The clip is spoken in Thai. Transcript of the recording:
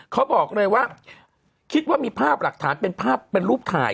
เขาบอกเลยว่าคิดว่ามีภาพหลักฐานเป็นภาพเป็นรูปถ่าย